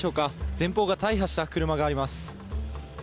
前方が大破した車があります。